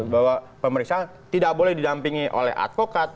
bahwa pemeriksaan tidak boleh didampingi oleh advokat